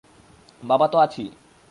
বাবা তো আছি।